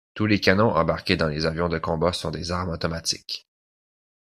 Tous les canons embarqués dans les avions de combat sont des armes automatiques.